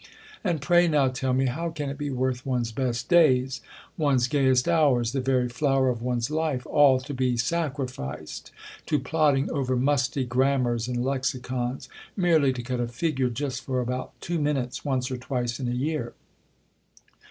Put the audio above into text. And pray now tell me, how can it be worth one's best days, one's gayest hours, the very flower of one's life, all to be sacrificed to plodding over musty grammars and lexicons, merely to cut a figure just for about two minutes, once or twice in a year